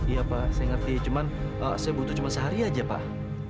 iya pak saya ngerti cuman saya butuh cuma sehari aja pak